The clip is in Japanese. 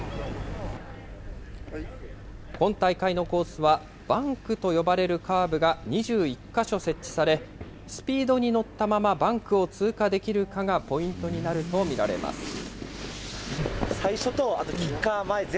今大会のコースはバンクと呼ばれるカーブが２１か所設置され、スピードに乗ったままバンクを通過できるかがポイントになると見られます。